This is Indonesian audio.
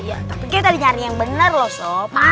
tapi kita nyari yang bener loh sob